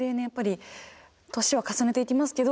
やっぱり年は重ねていきます